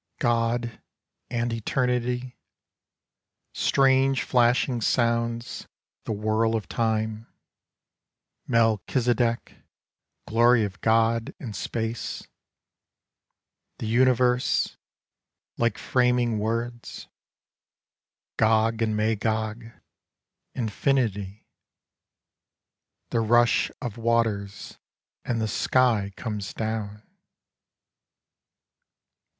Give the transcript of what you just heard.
' God and Eternity '— strange flashing sounds The whirl of Time, Melchisedec — Glory of God And space, — the universe, — like framing words — Gog and Magog, — infinity — The rush of waters And the sky comes down.